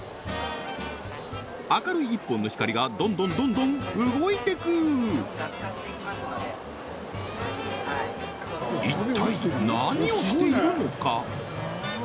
明るい１本の光がどんどんどんどん動いてく一体何をしているのか？